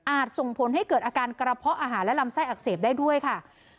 ส่งผลให้เกิดอาการกระเพาะอาหารและลำไส้อักเสบได้ด้วยค่ะ